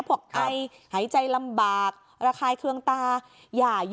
พวกไอหายใจลำบากระคายเครื่องตา